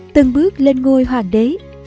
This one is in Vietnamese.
từng bước lên ngôi hoàng đế